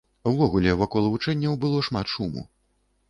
Увогуле, вакол вучэнняў было шмат шуму.